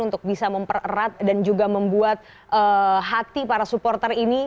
untuk bisa mempererat dan juga membuat hati para supporter ini